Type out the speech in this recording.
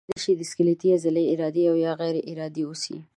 کیدای شي سکلیټي عضلې ارادي او یا غیر ارادي اوسي.